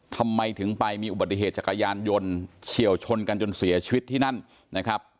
ทำไมถึงไปมีอุบัติเหตุจักรยานยนต์เฉียวชนกันจนเสียชีวิตที่นั่นนะครับ